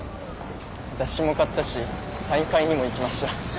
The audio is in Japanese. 雑誌も買ったしサイン会にも行きました。